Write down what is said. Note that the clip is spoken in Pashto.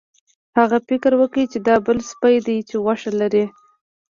هغه فکر وکړ چې دا بل سپی دی چې غوښه لري.